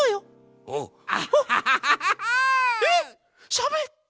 しゃべった！